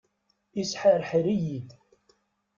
Isḥerḥer-iyi-d.